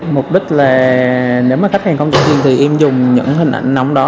mục đích là nếu mà khách hàng không có tiền thì em dùng những hình ảnh nóng đó